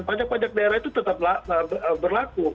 pajak pajak daerah itu tetap berlaku